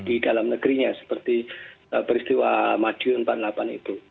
dalam negerinya seperti peristiwa madiun seribu sembilan ratus empat puluh delapan itu